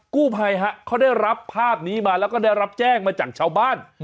กู้ภัยฮะเขาได้รับภาพนี้มาแล้วก็ได้รับแจ้งมาจากชาวบ้าน